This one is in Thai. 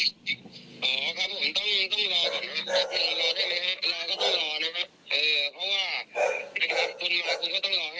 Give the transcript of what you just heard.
อ๋อครับผมต้องต้องรอก่อนนะครับรอได้ไหมครับรอก็ต้องรอนะครับ